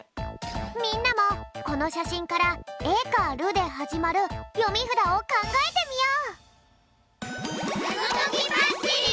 みんなもこのしゃしんから「え」か「る」ではじまるよみふだをかんがえてみよう！